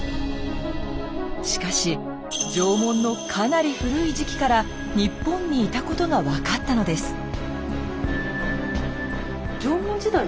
しかし縄文のかなり古い時期から日本にいたことが分かったのです。